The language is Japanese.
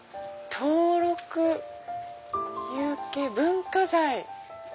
「登録有形文化財」。